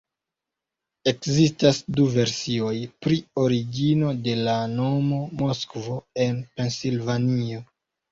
Ekzistas du versioj pri origino de la nomo Moskvo en Pensilvanio.